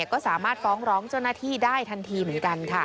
ก็สามารถฟ้องร้องเจ้าหน้าที่ได้ทันทีเหมือนกันค่ะ